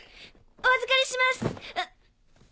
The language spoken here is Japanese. お預かりしますうっ！